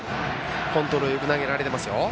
コントロールよく投げられていますよ。